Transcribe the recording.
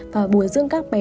và bồi dưỡng các bé